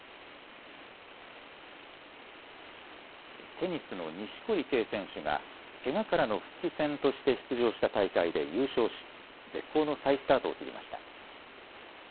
テニスの錦織圭選手がけがからの復帰戦として出場した大会で優勝し絶好の再スタートを切りました。